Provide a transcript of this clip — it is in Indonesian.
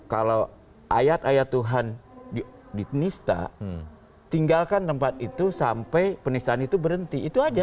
kalau ayat ayat tuhan dinista tinggalkan tempat itu sampai penistaan itu berhenti itu aja